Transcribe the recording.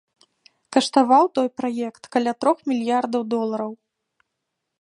Каштаваў той праект каля трох мільярдаў долараў.